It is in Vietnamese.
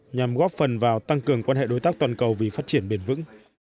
nhằm góp phần vào tăng cường quan hệ đối tác toàn cầu vì phát triển bền vững